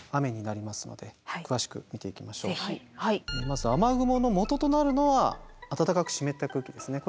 まず雨雲のもととなるのは暖かく湿った空気ですね。